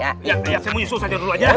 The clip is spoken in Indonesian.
ya saya mau nyusul dulu aja